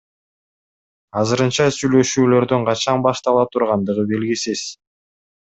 Азырынча сүйлөшүүлөрдүн качан баштала тургандыгы белгисиз.